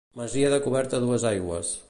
Masia de coberta a dues aigües.